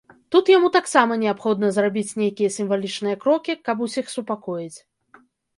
Тут яму таксама неабходна зрабіць нейкія сімвалічныя крокі, каб усіх супакоіць.